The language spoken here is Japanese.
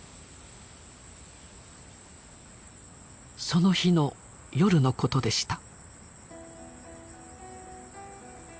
その日の夜のことでした。